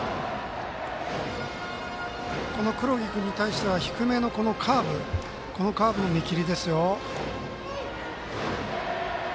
この黒木君に対しては低めのカーブの見切りですよ。